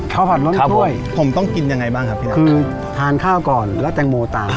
ข้าวผัดล้นถ้วยครับผมผมต้องกินยังไงบ้างครับคือทานข้าวก่อนแล้วแตงโมต่าง